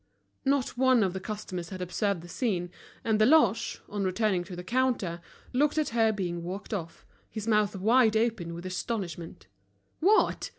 Not one of the customers had observed the scene, and Deloche, on returning to the counter, looked at her being walked off, his mouth wide open with astonishment. What!